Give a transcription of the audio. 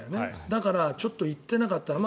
だからちょっと行ってなかった。